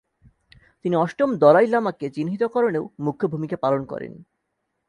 তিনি অষ্টম দলাই লামাকে চিহ্নিতকরণেও মুখ্য ভূমিকা পালন করেন।